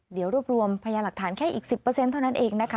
เดี๋ยวรวบรวมพยาหลักฐานแค่อีก๑๐เท่านั้นเองนะคะ